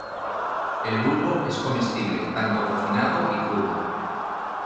El bulbo es comestible tanto cocinado y crudo.